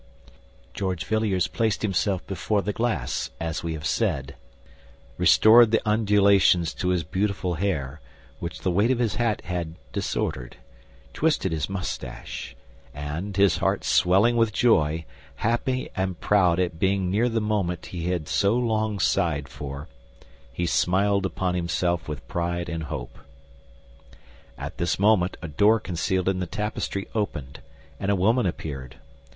George Villiers placed himself before the glass, as we have said, restored the undulations to his beautiful hair, which the weight of his hat had disordered, twisted his mustache, and, his heart swelling with joy, happy and proud at being near the moment he had so long sighed for, he smiled upon himself with pride and hope. At this moment a door concealed in the tapestry opened, and a woman appeared.